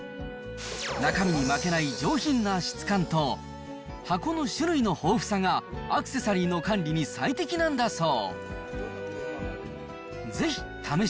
中身に負けない上品な質感と、箱の種類の豊富さがアクセサリーの管理に最適なんだそう。